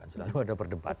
selalu ada perdebatan